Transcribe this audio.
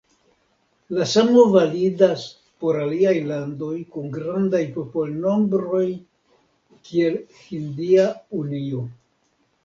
La samo validas por aliaj landoj kun grandaj popolnombroj kiel Hindia Unio.